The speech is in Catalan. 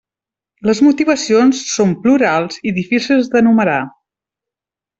Les motivacions són plurals i difícils d'enumerar.